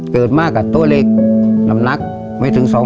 เกิดมากกับตัวเล็กน้ำหนักไม่ถึง๒๐๐